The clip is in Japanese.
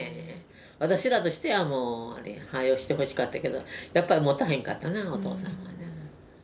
私らとしてはもう、はよしてほしかったけど、やっぱりもたへんかったな、お父さん。